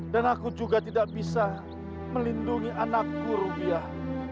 dan aku juga tidak bisa melindungi anakku ruggiah